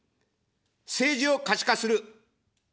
政治を可視化する。